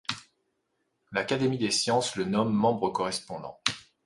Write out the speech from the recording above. L’Académie des sciences le nomme membre correspondant.